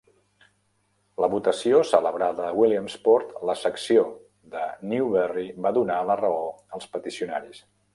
La votació celebrada a Williamsport, la secció de Newberry, va donar la raó als peticionaris.